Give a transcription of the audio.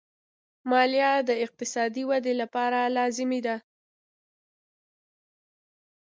مالیه د اقتصادي ودې لپاره لازمي ده.